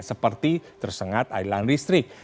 seperti tersengat adilan listrik